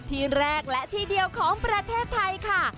ที่แรกและที่เดียวของประเทศไทยค่ะ